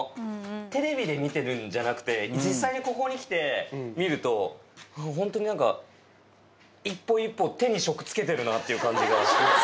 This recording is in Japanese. テレビで見てるんじゃなくて、実際にここに来て見ると、本当になんか、一歩一歩手に職つけてるなって感じがします。